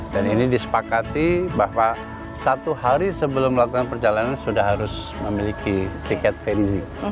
dan ini disepakati bahwa satu hari sebelum melakukan perjalanan sudah harus memiliki tiket ferizi